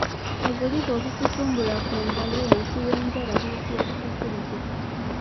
Obuliba obususumbulwa ku ngalo wansi w’enjala buyitibwa Butakkuluze.